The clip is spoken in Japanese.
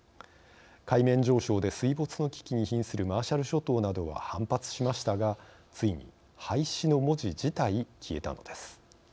海面上昇で水没の危機にひんするマーシャル諸島などは反発しましたが、ついに廃止の文字自体消えたのです。